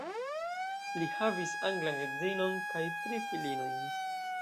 Li havis anglan edzinon kaj tri filinojn.